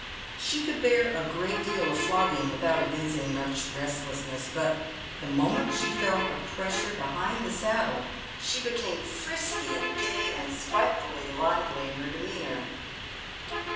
She could bear a good deal of flogging without evincing much restlessness, but the moment she felt a pressure behind the saddle, she became frisky and gay, and spitefully lively in her demeanour.